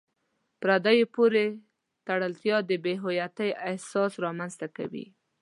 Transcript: پردیو پورې تړلتیا د بې هویتۍ احساس رامنځته کوي.